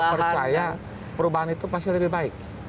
saya kok percaya perubahan itu pasti lebih baik